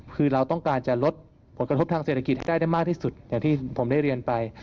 คือเราต้องการจะลดผลกระทบทางเศรษฐกิจให้ได้มากที่สุดอย่างที่ผมได้เรียนไป